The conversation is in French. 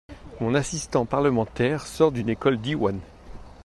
Mon assistant parlementaire sort d’une école Diwan.